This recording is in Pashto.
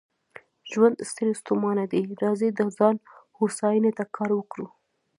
ژوند ستړی ستومانه دی، راځئ د ځان هوساینې ته کار وکړو.